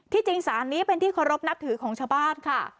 จริงสารนี้เป็นที่เคารพนับถือของชาวบ้านค่ะ